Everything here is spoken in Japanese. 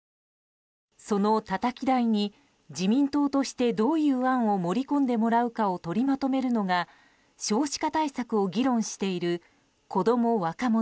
そのたたき台に自民党としてどういう案を盛り込んでもらうかを取りまとめるのが少子化対策を議論している「こども・若者」